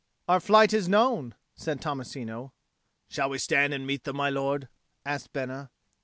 "Our flight is known," said Tommasino. "Shall we stand and meet them, my lord?" asked Bena.